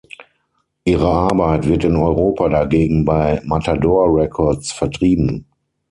Ihre Arbeit wird in Europa dagegen bei Matador Records vertrieben.